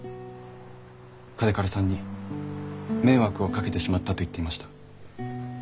嘉手刈さんに迷惑をかけてしまったと言っていました。